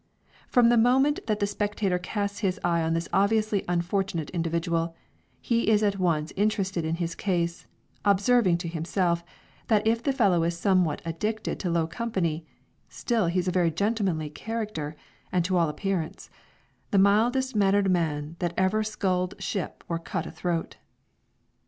From, the first moment that the spectator casts his eye on this obviously unfortunate individual, he is at once interested in his case, observing to himself, that if the fellow is somewhat addicted to low company, still he's a very gentlemanly character, and to all appearance "The mildest manner'd man That ever sculled ship or cut a throat."